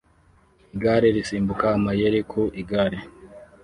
igare risimbuka amayeri ku igare